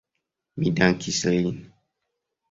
Mi dankis lin.